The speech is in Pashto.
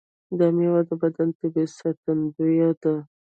دا میوه د بدن طبیعي ساتندوی ده.